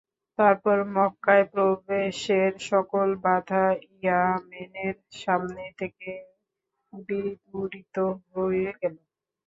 তারপর মক্কায় প্রবেশের সকল বাঁধা ইয়ামেনের সামনে থেকে বিদূরিত হয়ে গেল।